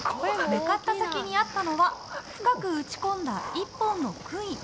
向かった先にあったのは深く打ち込んだ１本の杭。